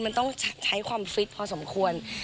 มันต้องใช้ความฟิตพอสมควร